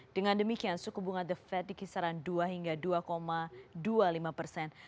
dengan demikian suku bunga the fed di kisaran dua hingga dua dua puluh lima persen